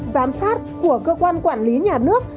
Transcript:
giám sát của cơ quan quản lý nhà nước